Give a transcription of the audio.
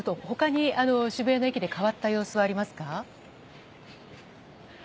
他に渋谷の駅で変わった様子はありますか？